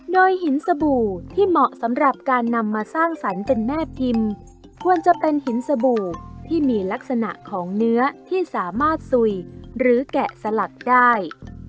โดยหินสบู่ที่เหมาะสำหรับการนำมาสร้างสรรค์เป็นแม่พิมพ์ควรจะเป็นหินสบู่ที่มีลักษณะของเนื้อที่สามารถสุยหรือแกะสลักได้